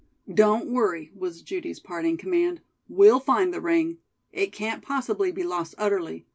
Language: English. "Don't worry," was Judy's parting command. "We'll find the ring. It can't possibly be lost utterly.